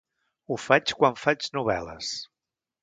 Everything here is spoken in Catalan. Ho faig quan faig novel·les.